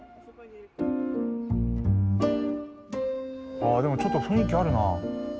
あでもちょっと雰囲気あるな。